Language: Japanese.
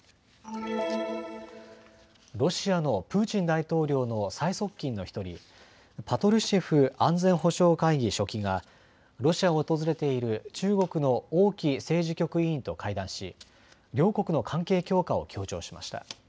ロシアのプーチン大統領の最側近の一人、パトルシェフ安全保障会議書記がロシアを訪れている中国の王毅政治局委員と会談し両国の関係強化を強調しました。